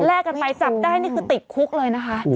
กันไปจับได้นี่คือติดคุกเลยนะคะ